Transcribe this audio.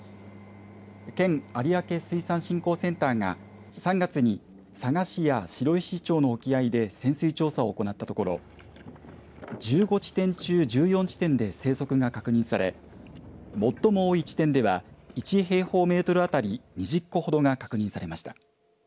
県有明水産振興センターが３月に佐賀市や白石町の沖合で潜水調査を行ったところ１５地点中１４地点で生息が確認され最も多い地点では１平方メートル当たり２０個ほどが確認されました。